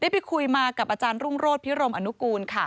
ไปคุยมากับลุงโฆษภิรมอนุกูล